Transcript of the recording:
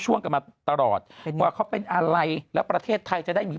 ช่วงกันมาตลอดว่าเขาเป็นอะไรแล้วประเทศไทยจะได้มี